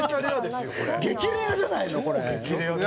激レアじゃないのこれ！